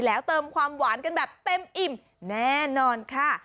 แล้วเติมความหวานกันแบบเต็มอิ่มแน่นอนค่ะ